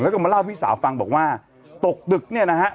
แล้วก็มาเล่าพี่สาวฟังบอกว่าตกดึกเนี่ยนะฮะ